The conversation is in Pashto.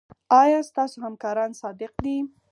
ایا ستاسو همکاران صادق دي؟